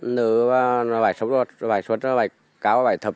nữ và phải xuất phải cao và phải thập